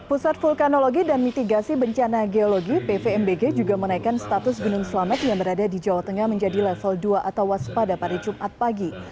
pusat vulkanologi dan mitigasi bencana geologi pvmbg juga menaikkan status gunung selamet yang berada di jawa tengah menjadi level dua atau waspada pada jumat pagi